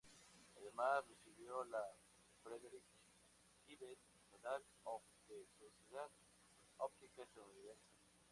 Además recibió la Frederic Ives Medal of the Sociedad Óptica Estadounidense.